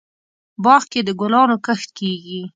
باغ کې دګلانو کښت کیږي